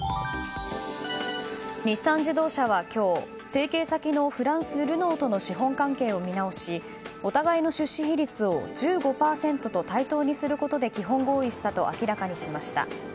日産自動車は今日提携先のフランス・ルノーとの資本関係を見直しお互いの出資比率を１５％と対等にすることで基本合意したと明らかにしました。